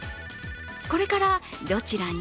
これからどちらに？